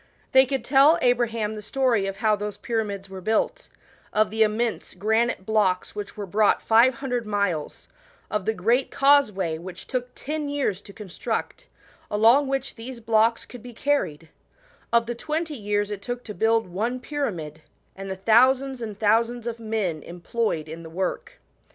They could tell Abraham the story of how those pyra mids were built ; of the immense granite blocks which were brought five hundred miles ; of the great causeway, which took ten years to con struct, along which these blocks could be carried ; of the twenty years it took to build one pyramid, and the thousands and thousands of men employed i$L the work.